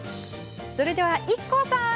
それではＩＫＫＯさん